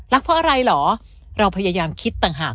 เพราะอะไรเหรอเราพยายามคิดต่างหาก